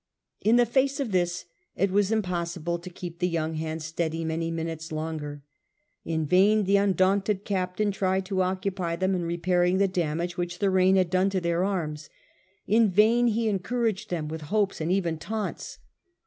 In the face of this it was impossible to keep the young hands steady many minutes longer. In vain the undaunted captain tried to occupy them in repairing the damage which the rain had done to their arms; in vain he encouraged them with hopes and even taunts.